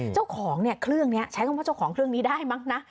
เจ้าของเนี่ยเครื่องนี้ใช้คำว่าเจ้าของเครื่องนี้ได้มั้งนะ